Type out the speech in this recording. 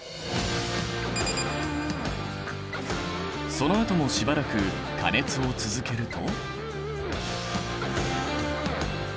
そのあともしばらく加熱を続けると。